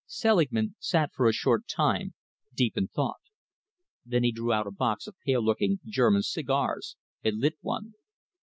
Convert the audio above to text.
Selingman sat for a short time, deep in thought. Then he drew out a box of pale looking German cigars and lit one.